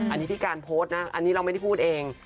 อันนี้พี่การโพสต์นะอันนี้เราไม่ได้พูดเอง